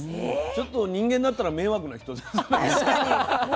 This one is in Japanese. ちょっと人間だったら迷惑な人ですね。